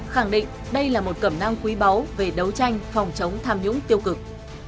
khẳng định đây là một cẩm nang quý báu về đấu tranh phòng chống tham nhũng tiêu cực